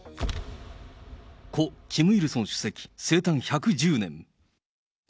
故・キム・イルソン主席生誕１１０年。